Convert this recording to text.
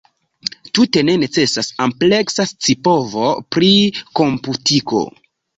Tute ne necesas ampleksa scipovo pri komputiko.